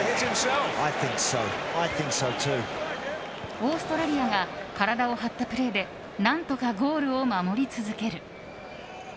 オーストラリアが体を張ったプレーで何とかゴールを守り続ける。